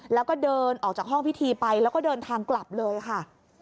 แล้วก็เดินออกจากห้องพิธีไปแล้วก็เดินทางกลับเลยค่ะ